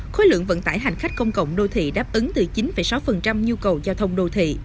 khối lượng vận tải hành khách công cộng đô thị đáp ứng từ chín sáu nhu cầu giao thông đô thị